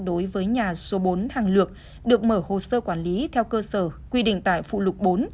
đối với nhà số bốn hàng lược được mở hồ sơ quản lý theo cơ sở quy định tại phụ lục bốn